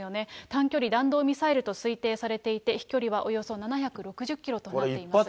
短距離弾道ミサイルと推定されていて、飛距離はおよそ７６０キロとなっています。